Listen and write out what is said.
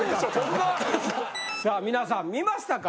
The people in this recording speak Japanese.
さあみなさん見ましたか？